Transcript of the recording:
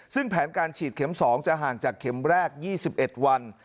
ซึ่งแผนการฉีดเข็ม๒จะห่างจากเข็มแรก๒๑วัน